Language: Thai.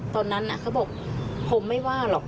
ตอนนั้นเขาบอกผมไม่ว่าหรอก